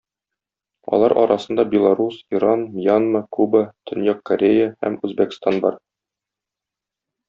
Алар арасында Беларус, Иран, Мьянма, Куба, Төньяк Корея һәм Үзбәкстан бар.